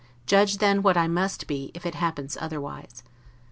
Judge then what I must be, if it happens otherwise.